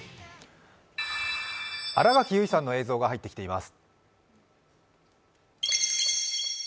新垣結衣さんの映像が入ってきています。